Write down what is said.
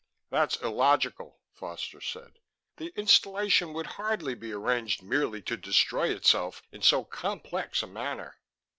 "That's illogical," Foster said. "The installation would hardly be arranged merely to destroy itself in so complex a manner."